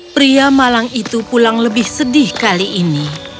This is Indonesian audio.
pria malang itu pulang lebih sedih kali ini